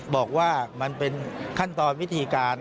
บอกว่ามันเป็นขั้นตอนวิธีการ